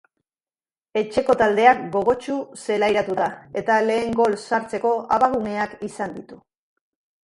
Etxeko taldea gogotsu zelairatu da, eta lehen gol sartzeko abaguneak izan ditu.